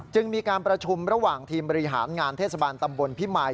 มีการประชุมระหว่างทีมบริหารงานเทศบาลตำบลพิมาย